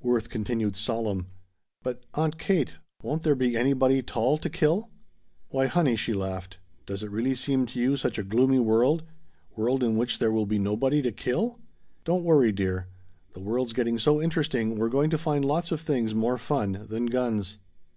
Worth continued solemn. "But, Aunt Kate won't there be anybody 'tall to kill?" "Why, honey," she laughed, "does it really seem to you such a gloomy world world in which there will be nobody to kill? Don't worry, dear. The world's getting so interesting we're going to find lots of things more fun than guns."